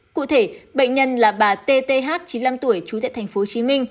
cụ thể bệnh nhân là bà tth chín mươi năm tuổi chú tại tp hcm